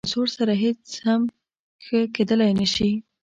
په زور سره هېڅ څه هم ښه کېدلی نه شي.